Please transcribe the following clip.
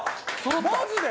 マジで？